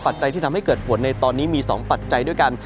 จัยที่ทำให้เกิดฝนในตอนนี้มี๒ปัจจัยด้วยกัน